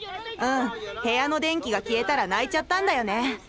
うん部屋の電気が消えたら泣いちゃったんだよね。